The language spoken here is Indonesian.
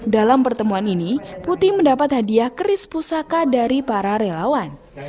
dalam pertemuan ini putih mendapat hadiah keris pusaka dari para relawan